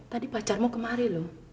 tadi pacarmu kemari loh